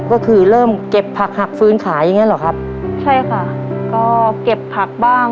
ก็คือเริ่มเก็บผักหักฟื้นขายอย่างเงี้เหรอครับใช่ค่ะก็เก็บผักบ้าง